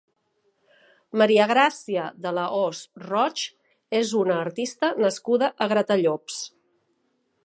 Maria Gràcia de la Hoz Roch és una artista nascuda a Gratallops.